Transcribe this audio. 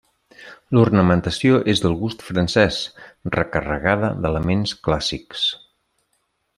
L'ornamentació és del gust francés, recarregada d'elements clàssics.